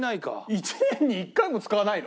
１年に１回も使わないの？